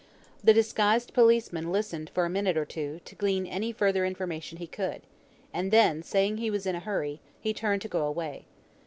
The disguised policeman listened for a minute or two, to glean any further information he could; and then, saying he was in a hurry, he turned to go away.